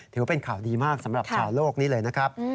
ถือเป็นข่าวดีมากสำหรับชาวโลกนี้เลยนะครับ